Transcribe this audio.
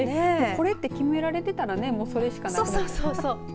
これって決められてたらそれしかなくなるから。